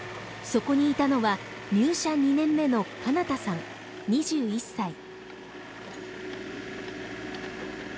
そこにいたのは入社２年目の叶大さん２１歳。